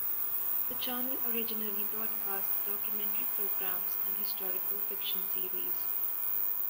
The channel originally broadcast documentary programs and historical fiction series.